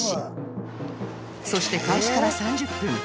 そして開始から３０分